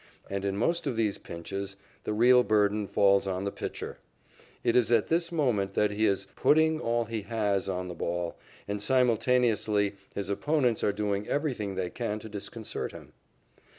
And in most of these pinches, the real burden falls on the pitcher. It is at this moment that he is "putting all he has" on the ball, and simultaneously his opponents are doing everything they can to disconcert him.